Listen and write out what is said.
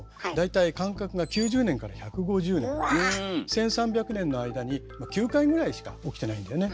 １，３００年の間に９回ぐらいしか起きてないんだよね。